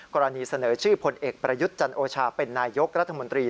กรณีเสนอชื่อพลเอกประยุทธ์จันโอชาเป็นนายกรัฐมนตรี